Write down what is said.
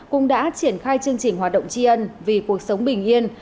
cũng đã triển khai chương trình hoạt động tri ân vì cuộc sống bình yên